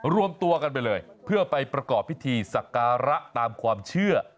รวมตัวกันไปเลยเพื่อไปประกอบพิธีสักการะตามความเชื่อ